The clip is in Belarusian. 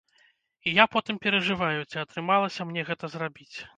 І я потым перажываю, ці атрымалася мне гэта зрабіць.